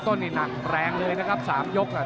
ต้นนี่หนักแรงเลยนะครับ๓ยกอ่ะ